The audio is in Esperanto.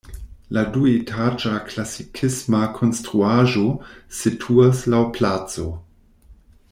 La duetaĝa klasikisma konstruaĵo situas laŭ placo.